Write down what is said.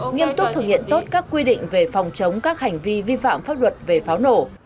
nghiêm túc thực hiện tốt các quy định về phòng chống các hành vi vi phạm pháp luật về pháo nổ